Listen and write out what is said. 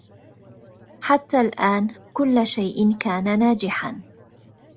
حتى الآن، كل شيء كان ناجحا.